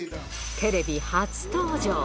テレビ初登場。